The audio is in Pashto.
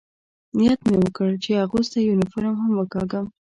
نیت مې وکړ، چې اغوستی یونیفورم هم وکاږم.